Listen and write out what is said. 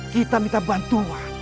kita minta bantuan